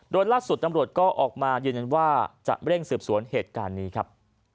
โดยล่าสุดตำรวจก็ออกมายืนยันว่าจะเร่งสืบสวนเหตุการณ์นี้ครับ